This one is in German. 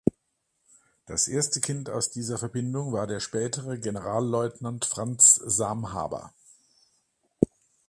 Das erste Kind aus dieser Verbindung war der spätere Generalleutnant Franz Samhaber.